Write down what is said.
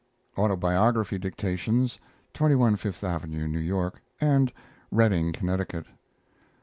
Autobiography dictations (21 Fifth Avenue, New York; and Redding, Connecticut).